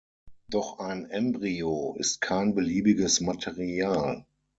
Doch ein Embryo ist kein beliebiges Material.